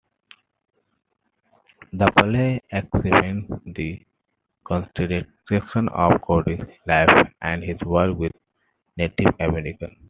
The play examines the contradictions of Cody's life and his work with Native Americans.